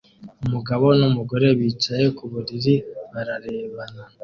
Umugabo numugore bicaye ku buriri bararebana